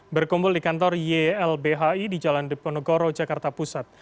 berkumpul di kantor ylbhi di jalan diponegoro jakarta pusat